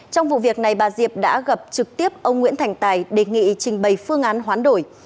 trong vụ việc này bà diệp đã gặp trực tiếp ông nguyễn thành tài đề nghị trình bày phương án hoán đổi